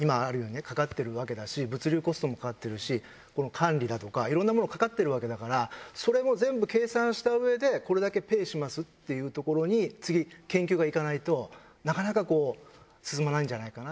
これやっぱりいろんな管理だとかいろんなものかかってるわけだからそれも全部計算したうえでこれだけペイしますっていうところに次研究がいかないとなかなか進まないんじゃないかな。